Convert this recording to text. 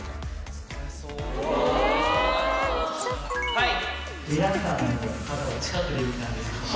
はい。